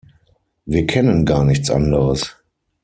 Wir kennen gar nichts anderes!